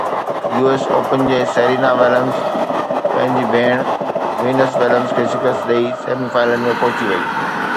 U S Open جي Serena Williams پنهنجي ڀيڻ وينس وليمز کي شڪست ڏئي سيمي فائنل ۾ پهچي وئي